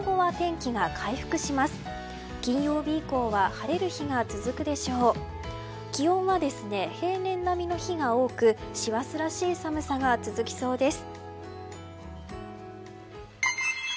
気温は平年並みの日が多く師走らしい寒さが続きそうです。